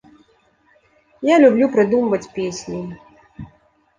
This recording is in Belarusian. Я люблю прыдумваць песні.